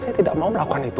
saya tidak mau melakukan itu